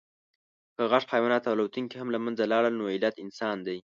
که غټ حیوانات او الوتونکي هم له منځه لاړل، نو علت انسان دی.